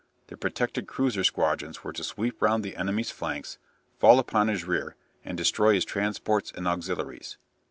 The protected cruiser squadrons were to sweep round the enemy's flanks, fall upon his rear, and destroy his transports and auxiliaries.